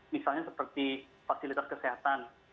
misalnya seperti fasilitas kesehatan